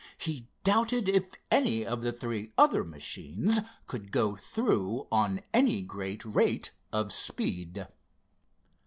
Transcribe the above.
He doubted if any of the three other machines could go through on any great rate of speed.